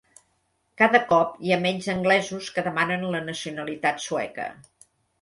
Cada cop hi ha menys anglesos que demanen la nacionalitat sueca